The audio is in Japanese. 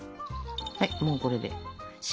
はいもうこれで。